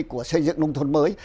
của xây dựng nông thôn mới